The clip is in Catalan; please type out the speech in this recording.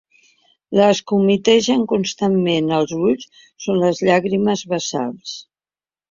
Les que humitegen constantment els ulls són les llàgrimes basals.